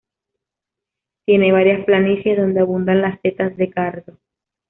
Tiene varias planicies, donde abundan las setas de cardo.